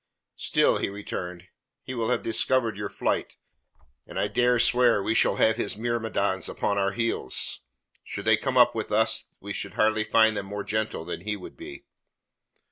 "Still," he returned, "he will have discovered your flight, and I dare swear we shall have his myrmidons upon our heels. Should they come up with us we shall hardly find them more gentle than he would be."